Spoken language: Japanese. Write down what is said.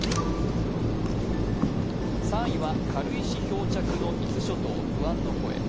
３位は、軽石漂着の伊豆諸島、不安の声。